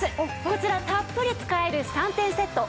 こちらたっぷり使える３点セット。